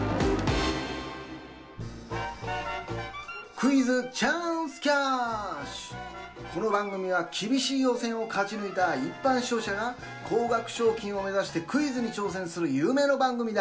『クイズ・チャンス・キャッシュ』この番組は厳しい予選を勝ち抜いた一般視聴者が高額賞金を目指してクイズに挑戦する夢の番組だ。